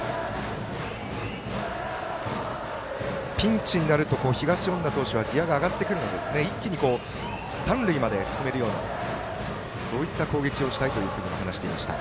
ピンチになると東恩納投手はギヤが上がってくるので一気に三塁まで進めるようなそういった攻撃をしたいというふうにも話していました。